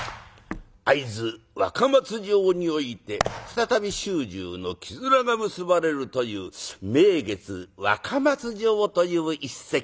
会津若松城において再び主従の絆が結ばれるという「名月若松城」という一席